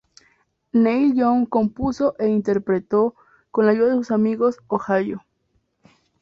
Neil Young compuso e interpretó, con la ayuda de sus amigos, "Ohio".